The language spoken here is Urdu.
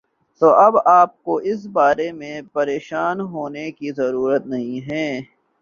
تو اب آ پ کو اس بارے میں پریشان ہونے کی ضرورت نہیں ہے